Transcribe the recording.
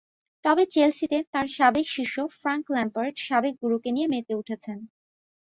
তবে চেলসিতে তাঁর সাবেক শিষ্য ফ্রাঙ্ক ল্যাম্পার্ড সাবেক গুরুকে নিয়ে মেতে উঠেছেন।